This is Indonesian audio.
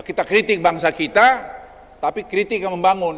kita kritik bangsa kita tapi kritik yang membangun